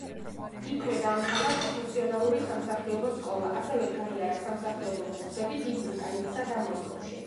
იქვე დაამთავრა პროფესიონალური სამსახიობო სკოლა, ასევე გაიარა სამსახიობო კურსები დიდ ბრიტანეთსა და მოსკოვში.